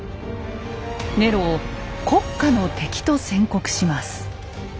ネロを「国家の敵」と宣告します。